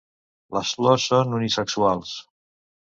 Les flors són unisexuals.